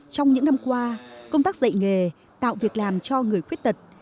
trong những năm qua công tác dạy nghề tạo việc làm cho người khuyết tật